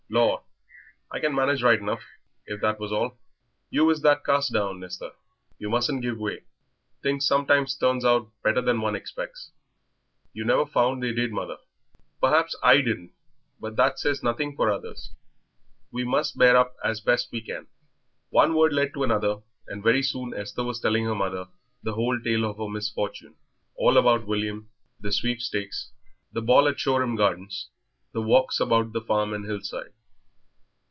"Lor, I can manage right enough, if that was all." "You is that cast down, Esther; you mustn't give way. Things sometimes turns out better than one expects." "You never found they did, mother." "Perhaps I didn't, but that says nothing for others. We must bear up as best we can." One word led to another, and very soon Esther was telling her mother the whole tale of her misfortune all about William, the sweepstakes, the ball at the Shoreham Gardens, the walks about the farm and hillside.